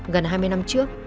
gần hai mươi năm trước